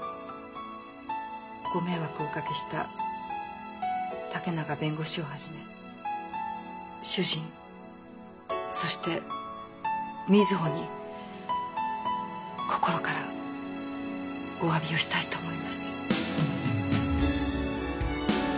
ご迷惑をおかけした竹永弁護士をはじめ主人そして瑞穂に心からおわびをしたいと思います。